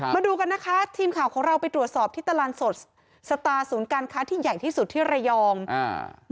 มาดูกันนะคะทีมข่าวของเราไปตรวจสอบที่ตลาดสดสตาร์ศูนย์การค้าที่ใหญ่ที่สุดที่ระยองอ่า